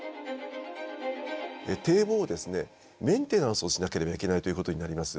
堤防をですねメンテナンスをしなければいけないということになります。